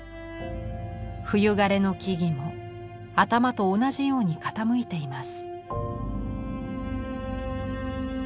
冬枯れの木々も頭と同じように傾いています。